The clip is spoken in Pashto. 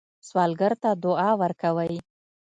سوالګر ته دعا ورکوئ